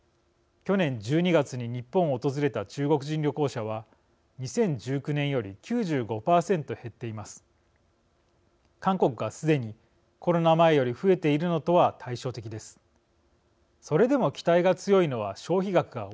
去年１２月に日本を訪れた中国人旅行者は、２０１９年より９５％減っています。